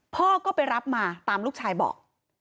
พ่อก็ไปรับมาตามลูกชายบอก